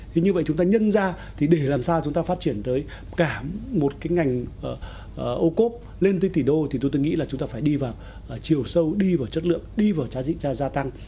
thì như vậy chúng ta nhân ra thì để làm sao chúng ta phát triển tới cả một cái ngành ô cốp lên tới tỷ đô thì tôi nghĩ là chúng ta phải đi vào chiều sâu đi vào chất lượng đi vào giá diễn ra gia tăng